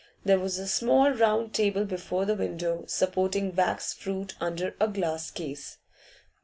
There was a small round table before the window, supporting wax fruit under a glass case.